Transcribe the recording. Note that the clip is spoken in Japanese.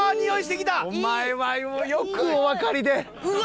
お前はよくおわかりで。